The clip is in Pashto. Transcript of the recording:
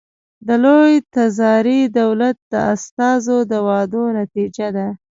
د لوی تزاري دولت د استازو د وعدو نتیجه ده.